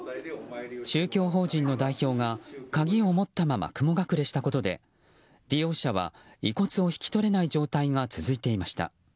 宗教法人の代表が鍵を持ったまま雲隠れしたことで利用者は遺骨を引き取れない状態が続いていました。